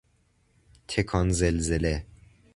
تکان زلزله